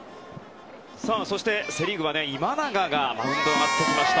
そしてセ・リーグは今永がマウンドに上がってきました。